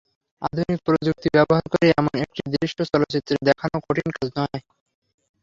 আধুনিক প্রযুক্তি ব্যবহার করে এমন একটি দৃশ্য চলচ্চিত্রে দেখানো কঠিন কাজ নয়।